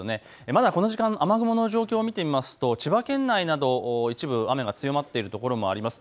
まだこの時間、雨雲の状況を見てみますと千葉県内など一部雨が強まっているところもあります。